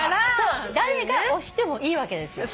誰が押してもいいわけです。